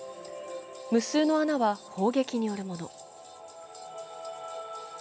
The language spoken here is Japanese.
無数の穴は砲撃によるもの。